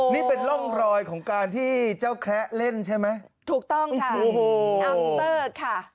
นี่เป็นร่องรอยของการที่เจ้าแคระเล่นใช่ไหมถูกต้องค่ะโอ้โหอัมเตอร์ค่ะ